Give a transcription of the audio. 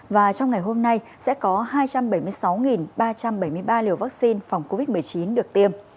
và trong ngày hôm nay sẽ có hai trăm bảy mươi sáu ba trăm bảy mươi ba liều vaccine phòng covid một mươi chín được tiêm